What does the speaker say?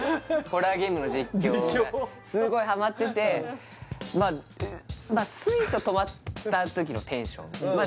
ホラーゲームの実況すごいハマっててまあスイート泊まった時のテンションま